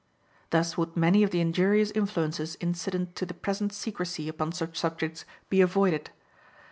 Thus would many of the injurious influences incident to the present secrecy upon such subjects be avoided.